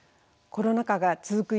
コロナ禍が続く